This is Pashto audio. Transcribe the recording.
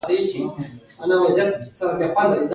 مذاکرات پر مخ بېولای سي.